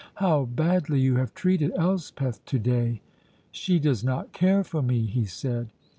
How badly you have treated Elspeth to day!" "She does not care for me," he said.